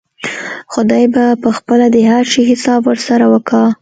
خداى به پخپله د هر شي حساب ورسره وکا.